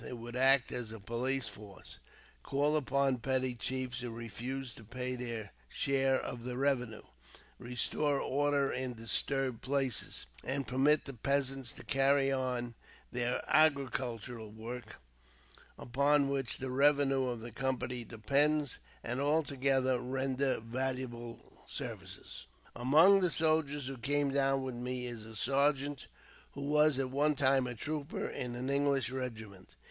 It could act as a police force, call upon petty chiefs who refuse to pay their share of the revenue, restore order in disturbed places, and permit the peasants to carry on their agricultural work, upon which the revenue of the Company depends; and, altogether, render valuable services. "Among the soldiers who came down with me is a sergeant who was at one time a trooper in an English regiment.